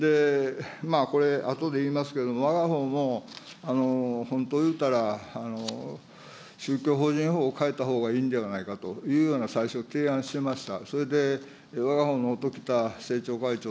これ、あとで言いますけれども、わが党も本当いうたら宗教法人法を変えたほうがいいんではないかというような、最初提案してました。